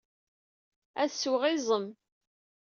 Ad sweɣ iẓem.